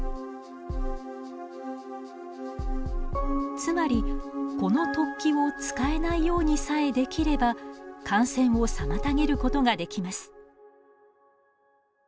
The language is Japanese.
つまりこの突起を使えないようにさえできれば感染を妨げることができます。